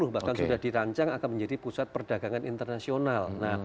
bahkan sudah dirancang akan menjadi pusat perdagangan internasional